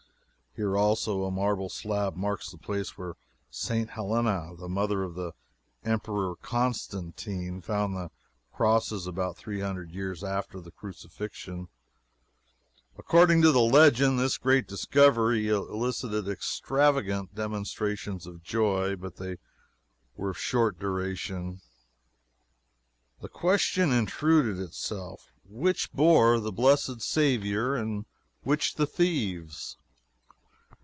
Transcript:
Here, also, a marble slab marks the place where St. Helena, the mother of the Emperor Constantine, found the crosses about three hundred years after the Crucifixion. According to the legend, this great discovery elicited extravagant demonstrations of joy. But they were of short duration. The question intruded itself: "Which bore the blessed Saviour, and which the thieves?"